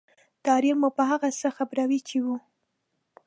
تاریخ مو په هغه څه خبروي چې وو.